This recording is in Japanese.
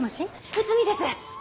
内海です。